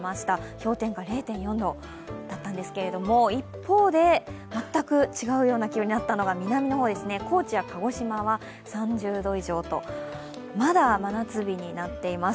氷点下０．４度だったんですけれども一方で、全く違うような気温になったのが南の方ですね、高知や鹿児島は３０度以上とまだ真夏日になっています。